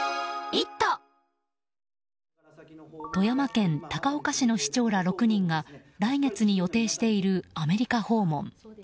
富山県高岡市の市長ら６人が来月に予定しているアメリカ訪問。